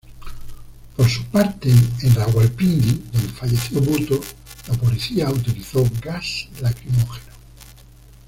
Por su parte, en Rawalpindi —donde falleció Bhutto—, la policía utilizó gas lacrimógeno.